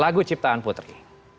lagu ciptaan putri